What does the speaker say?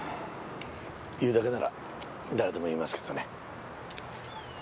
言うだけなら誰でも言えますけどね。